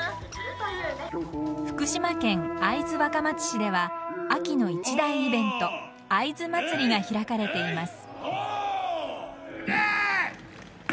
福島県会津若松市では秋の一大イベント会津まつりが開かれています。